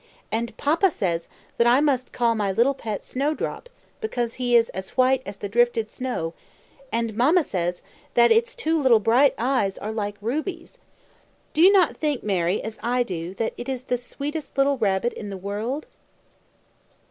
And papa says, that I must call my little pet, Snowdrop, because he is as white as the drifted snow; and mamma says, that its two little bright eyes are like rubies. Do you not think, Mary, as I do, that it is the sweetest little rabbit in the world?